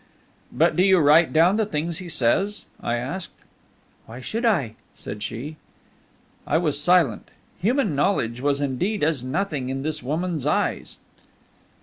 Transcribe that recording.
"But do you write down the things he says?" I asked. "Why should I?" said she. I was silent; human knowledge was indeed as nothing in this woman's eyes.